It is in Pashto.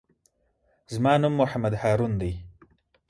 زما نوم محمد هارون دئ.